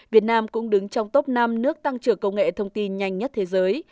việt nam cũng đứng trong top năm nước tăng trưởng công nghệ thông tin nhanh nhất thế giới